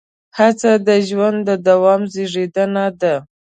هڅه د ژوند د دوام زېږنده ده.